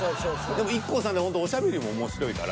でもＩＫＫＯさんってほんとおしゃべりも面白いから。